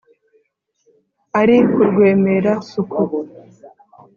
Ari ku Rwemera-suku